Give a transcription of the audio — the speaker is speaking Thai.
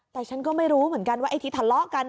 แต่ฉันก็ไม่รู้เหมือนกันว่าไอ้ที่ทะเลาะกัน